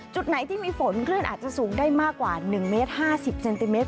จุดไหนที่มีฝนคลื่นอาจจะสูงได้มากกว่า๑เมตร๕๐เซนติเมตร